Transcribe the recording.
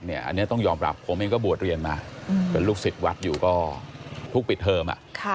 อันนี้ต้องยอมรับผมเองก็บวชเรียนมาเป็นลูกศิษย์วัดอยู่ก็ทุกปิดเทอม